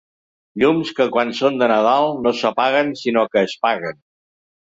Llums que, quan són de Nadal, no s'apaguen sinó que es paguen.